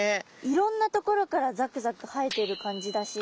いろんなところからザクザク生えている感じだし。